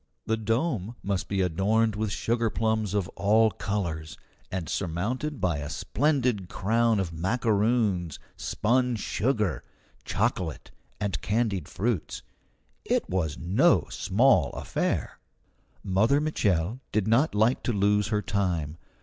The dome must be adorned with sugarplums of all colours, and surmounted by a splendid crown of macaroons, spun sugar, chocolate, and candied fruits. It was no small affair. Mother Mitchel did not like to lose her time.